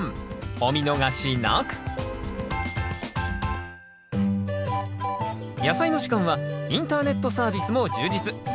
お見逃しなく「やさいの時間」はインターネットサービスも充実。